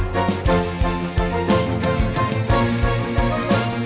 dia ga bisa jumpa studentnya auronet